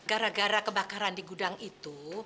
gara gara kebakaran di gudang itu